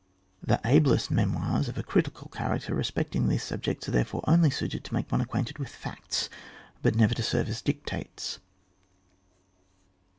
The ablest memoirs of a critical character respecting these subjects are therefore only suited to make one acquainted with facts, but never to serve as dictates.